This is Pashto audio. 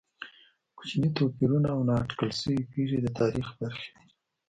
کوچني توپیرونه او نا اټکل شوې پېښې د تاریخ برخې دي.